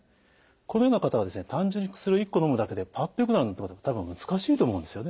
このような方は単純に薬を１個のむだけでパッとよくなるなんてことは多分難しいと思うんですよね。